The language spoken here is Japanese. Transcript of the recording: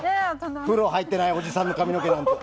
風呂入ってないおじさんの髪の毛なんて。